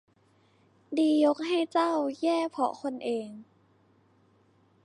ดียกให้เจ้า แย่เพราะคนเอง